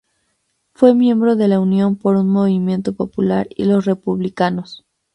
Fue miembro de la Unión por un Movimiento Popular y Los Republicanos.